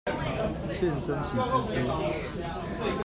現身喜滋滋